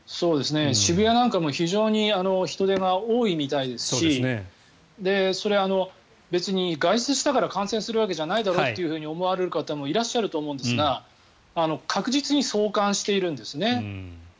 渋谷なんかも非常に人出が多いみたいですしそれは別に外出したから感染するわけじゃないだろうと思われる方もいらっしゃると思うんですが確実に相関しているんですね。